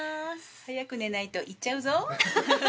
早く寝ないと行っちゃうぞ。